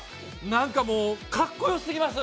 なんかもう、かっこよすぎます。